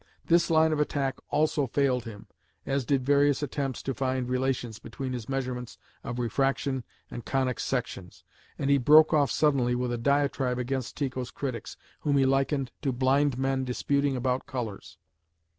This line of attack also failed him, as did various attempts to find relations between his measurements of refraction and conic sections, and he broke off suddenly with a diatribe against Tycho's critics, whom he likened to blind men disputing about colours.